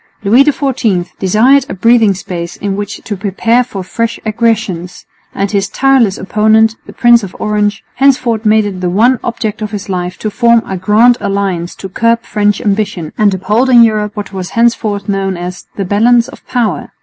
Louis XIV desired a breathing space in which to prepare for fresh aggressions; and his tireless opponent, the Prince of Orange, henceforth made it the one object of his life to form a Grand Alliance to curb French ambition and uphold in Europe what was henceforth known as "the Balance of Power."